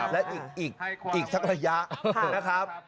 และอีกสักระยะนะครับ